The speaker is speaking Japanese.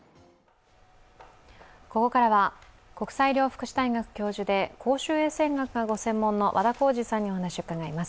ここからは国際医療福祉大学教授で公衆衛生学がご専門の和田耕治さんにお話を伺います。